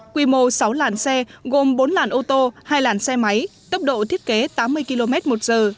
quy mô sáu làn xe gồm bốn làn ô tô hai làn xe máy tốc độ thiết kế tám mươi km một giờ